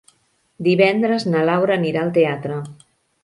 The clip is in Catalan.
Divendres na Laura anirà al teatre.